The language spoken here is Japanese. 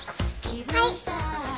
はい。